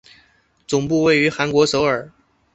总部位于韩国首尔。